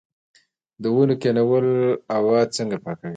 د ونو کینول هوا څنګه پاکوي؟